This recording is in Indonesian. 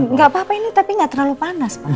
nggak apa apa ini tapi nggak terlalu panas pak